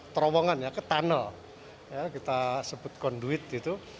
terowongan ya ke tunnel kita sebut conduit gitu